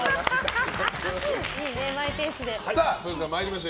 それでは参りましょう。